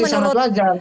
jadi masih sama pelajar